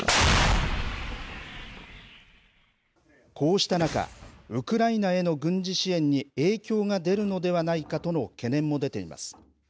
こうした中、ウクライナへの軍事支援に影響が出るのではないかとの懸念も出ています。